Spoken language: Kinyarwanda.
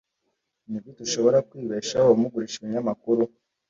Nigute ushobora kwibeshaho mugurisha ibinyamakuru?